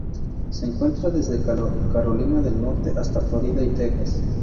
Se encuentra desde Carolina del Norte hasta Florida y Texas.